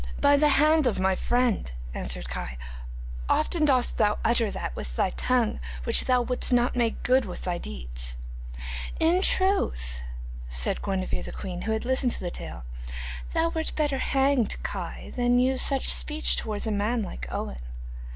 'By the hand of my friend,' answered Kai, 'often dost thou utter that with thy tongue which thou wouldest not make good with thy deeds.' 'In truth,' said Guenevere the queen, who had listened to the tale, 'thou wert better hanged, Kai, than use such speech towards a man like Owen.